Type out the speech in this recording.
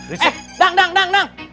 eh dang dang dang